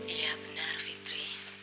iya benar fitri